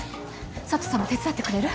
佐都さんも手伝ってくれる？